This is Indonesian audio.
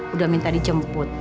udah minta dijemput